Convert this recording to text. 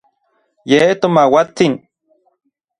Ye tomauatsin.